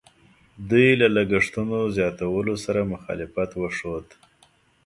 دوی له لګښتونو زیاتېدلو سره مخالفت وښود.